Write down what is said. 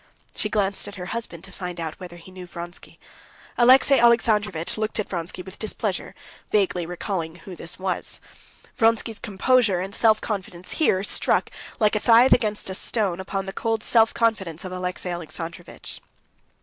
She glanced at her husband to find out whether he knew Vronsky. Alexey Alexandrovitch looked at Vronsky with displeasure, vaguely recalling who this was. Vronsky's composure and self confidence here struck, like a scythe against a stone, upon the cold self confidence of Alexey Alexandrovitch.